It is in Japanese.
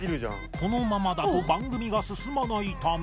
このままだと番組が進まないため